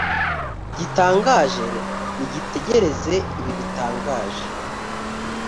gitangaje: nitegereze ibi bitangaje